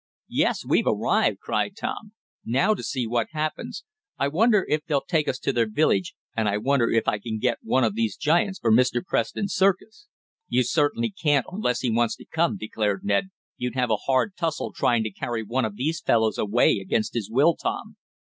"Yes, we've arrived!" cried Tom. "Now to see what happens. I wonder if they'll take us to their village, and I wonder if I can get one of these giants for Mr. Preston's circus?" "You certainly can't unless he wants to come," declared Ned. "You'd have a hard tussle trying to carry one of these fellows away against his will, Tom."